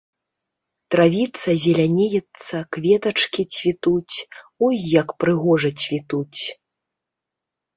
Травіца зелянеецца, кветачкі цвітуць, ой, як прыгожа цвітуць.